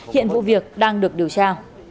hiện vụ việc đang được điều tra